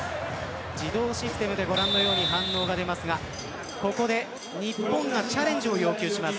自動システムでご覧のように反応が出ますがここで日本がチャレンジを要求します。